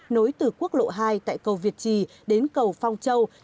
nối từ quốc lộ hai tại cầu việt trì đến cầu phong châu